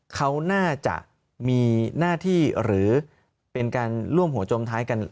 เขาน่าจะมีหน้าที่หรือเป็นการร่วมหัวจมท้ายกัน